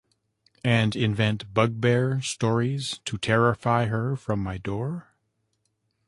And invent bugbear stories to terrify her from my door?